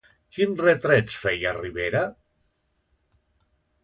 Quins retrets feia Rivera?